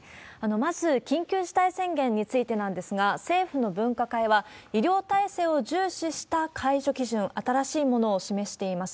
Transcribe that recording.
まず、緊急事態宣言についてなんですが、政府の分科会は、医療体制を重視した解除基準、新しいものを示しています。